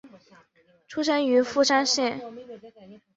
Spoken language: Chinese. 出身于富山县。